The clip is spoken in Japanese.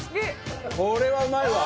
これはうまいわ！